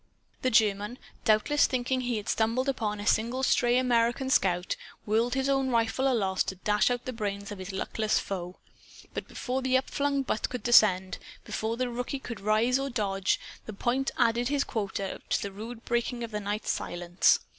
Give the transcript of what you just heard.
The German, doubtless thinking he had stumbled upon a single stray American scout, whirled his own rifle aloft, to dash out the brains of his luckless foe. But before the upflung butt could descend, before the rookie could rise or dodge, the point added his quota to the rude breaking of the night's silence.